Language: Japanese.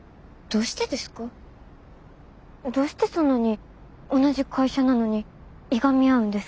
どうしてそんなに同じ会社なのにいがみ合うんですか？